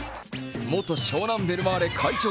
元湘南ベルマーレ会長